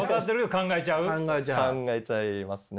考えちゃいますね。